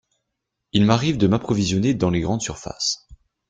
Il m’arrive de m’approvisionner dans les grandes surfaces.